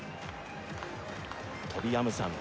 トビ・アムサン